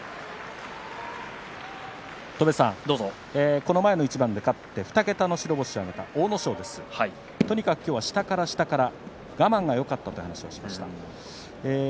この前の一番で勝って２桁の白星を挙げた阿武咲ですが今日はとにかく下から下から我慢がよかったという話をしていました。